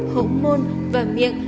hổng môn và miệng